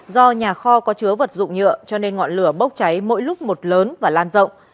do nhà kho có chứa vật dụng nhựa cho nên ngọn lửa bốc cháy mỗi lúc một lớn và lan rộng